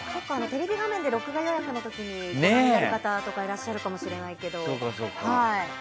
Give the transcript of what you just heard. テレビ画面で録画予約の時にご覧になる方もいらっしゃるかもしれないけど。